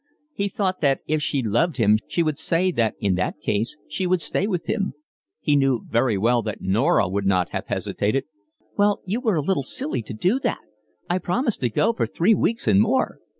He thought that if she loved him she would say that in that case she would stay with him. He knew very well that Norah would not have hesitated. "Well, you were a silly to do that. I've promised to go for three weeks and more."